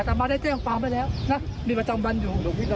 อัตโธบาลใจแจ้งความล่ะความเป็นประสุทธิที่แล้ว